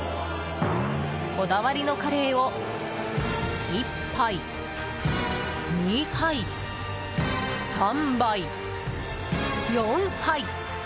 こだわりのカレーを１杯、２杯、３杯、４杯。